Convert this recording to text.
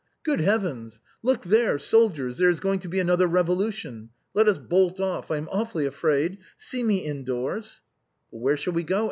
good heavens ! look there, sol diers ; there is going to be another revolution. Let us bolt off, I am awfully afraid ; sec me indoors." " But where shall we go